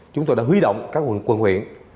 chúng tôi đã huy động các quân huyện